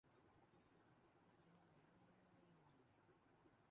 ظاہر ہے کہ اس کے لئے بٹ سے مطابقت رکھنے والے ہارڈویئر کی بھی ضرورت تھی